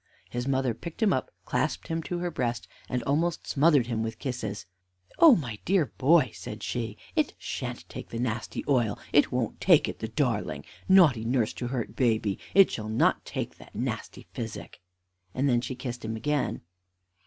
His mother picked him up, clasped him to her breast, and almost smothered him with kisses. "Oh, my dear boy!" said she; "it shan't take the nasty oil! it won't take it, the darling! Naughty nurse to hurt baby! It shall not take nasty physic!" And then she kissed him again.